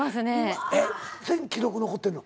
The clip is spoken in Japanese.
全記録残ってんの？